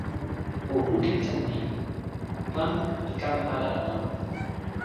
o lukin tan ni: pan li kama ala lon anpa.